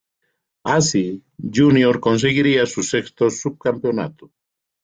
Así, Junior conseguiría su sexto subcampeonato.